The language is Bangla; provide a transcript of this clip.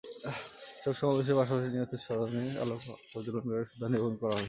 শোক সমাবেশের পাশাপাশি নিহতদের স্মরণে আলোক প্রজ্বলন করে শ্রদ্ধা নিবেদন করা হবে।